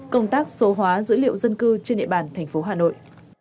công tác số hóa dữ liệu dân cư trên địa bàn thành phố hà nội